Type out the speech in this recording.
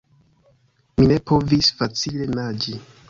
Mi ne povis facile naĝi.